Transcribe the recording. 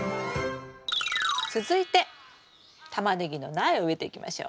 続いてタマネギの苗を植えていきましょう。